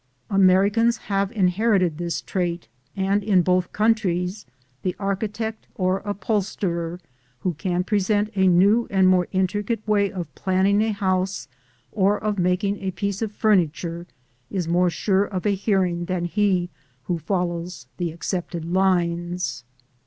Americans have inherited this trait, and in both countries the architect or upholsterer who can present a new and more intricate way of planning a house or of making a piece of furniture, is more sure of a hearing than he who follows the accepted lines.